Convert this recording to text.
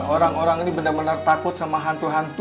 orang orang ini bener bener takut sama hantu hantu